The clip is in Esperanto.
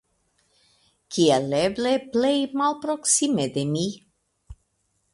Kiel eble plej malproksime de mi.